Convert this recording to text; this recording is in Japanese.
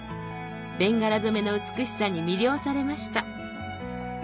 ベンガラ染めの美しさに魅了されました